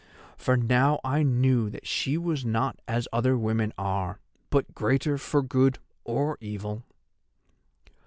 For now I knew that she was not as other women are, but greater for good or evil.